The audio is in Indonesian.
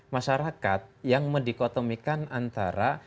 masyarakat yang mendikotomikan antara